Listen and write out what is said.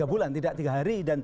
tiga bulan tidak tiga hari dan